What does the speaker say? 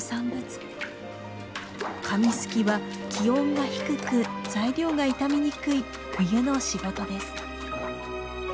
紙すきは気温が低く材料が傷みにくい冬の仕事です。